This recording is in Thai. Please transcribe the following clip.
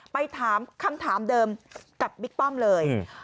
ไปถามคำถามเดิมกับบิ๊กป้อมเลย